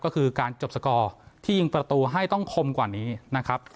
ก็คือการจบสกอร์ที่ยิงประตูให้ต้องคมกว่านี้นะครับ